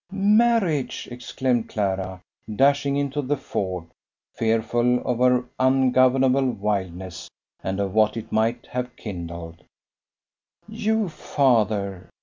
"Marriage!" exclaimed Clara, dashing into the ford, fearful of her ungovernable wildness and of what it might have kindled. You, father!